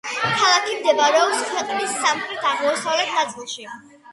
ქალაქი მდებარეობს ქვეყნის სამხრეთ-აღმოსავლეთ ნაწილში.